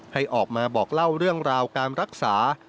ให้ออกมาบอกเล่าเรื่องราวการรักษา